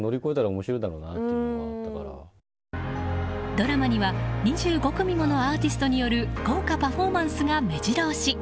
ドラマには２５組ものアーティストによる豪華パフォーマンスが目白押し。